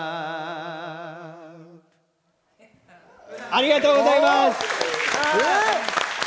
ありがとうございます！